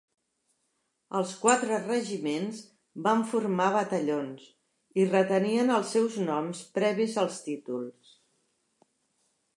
Els quatre regiments van formar batallons, i retenien els seus noms previs als títols.